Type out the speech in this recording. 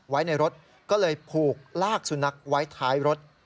ไว้ในรถก็เลยผูกลากสุนัขไว้ท้ายรถ